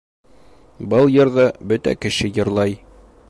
Был йырҙы бөтә кеше йырлай